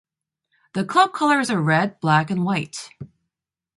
The club colours are red, black and white.